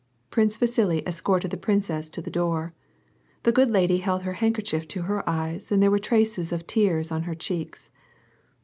Prince Vasili escorted the princess to the door. The good lady held her handkerchief to her eyes, and there were traces of tears on her cheeks.